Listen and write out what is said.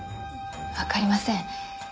わかりません。